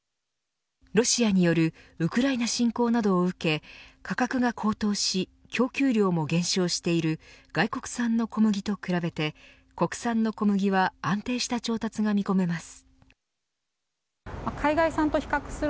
ロシアによるウクライナ侵攻などを受け価格が高騰し供給量も減少している外国産の小麦と比べて国産の小麦は安定した調達が見込めます。